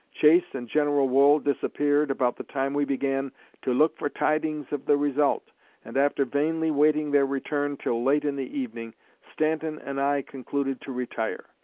Chase and General Wool disappeared about the time we began to look for tidings of the result, and after vainly waiting their return till late in the evening, Stanton and I concluded to retire.